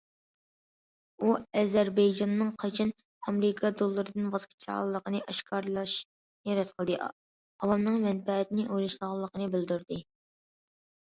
ئۇ ئەزەربەيجاننىڭ قاچان ئامېرىكا دوللىرىدىن ۋاز كېچىدىغانلىقىنى ئاشكارىلاشنى رەت قىلدى، ئاۋامنىڭ مەنپەئەتىنى ئويلىشىدىغانلىقىنى بىلدۈردى.